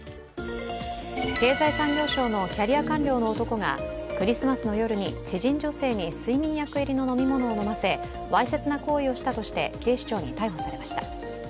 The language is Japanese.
経済産業省のキャリア官僚の男がクリスマスの夜に知人女性に睡眠薬入りの飲み物を飲ませわいせつな行為をしたとして警視庁に逮捕されました。